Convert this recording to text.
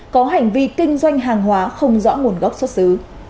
có hành vi kinh doanh hàng hóa không rõ nguồn gốc xuất xứ